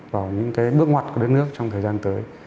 vào những cái bước ngoặt của đất nước trong thời gian tới